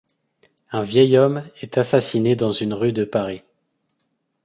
Un vieil homme est assassiné dans une rue de Paris.